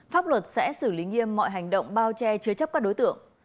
pháp luật sẽ xử lý nghiêm mọi hành động bao che chứa chấp các đối tượng